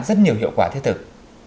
rất nhiều hiệu quả thiết thực